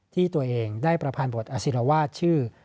ที่ตัวเองได้ประพันธ์บทอศิลวาสชื่อ